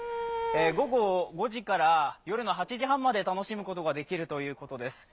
午後５時から夜の８時半まで楽しむことができるということです。